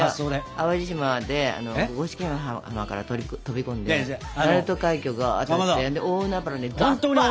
淡路島で五色浜から飛び込んで鳴門海峡がっと行って大海原にザッパンザッパンって！